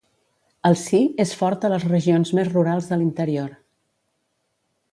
El Sí és fort a les regions més rurals de l’interior.